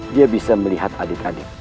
dia bisa melihat adik adik